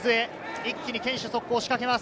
一気に堅守速攻、仕掛けます。